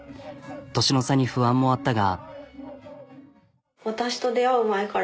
年の差に不安もあったが。